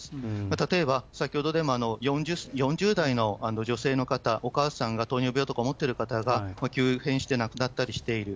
例えば、先ほどでも４０代の女性の方、お母さんが糖尿病とか持ってる方が、急変して亡くなったりしている。